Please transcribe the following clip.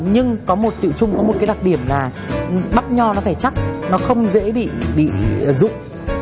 nhưng có một tiệu chung có một cái đặc điểm là bắp nho nó phải chắc nó không dễ bị dụng